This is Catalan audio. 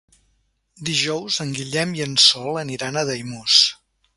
Dijous en Guillem i en Sol aniran a Daimús.